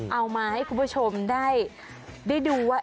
เอามาให้คุณผู้ชมได้ดูว่า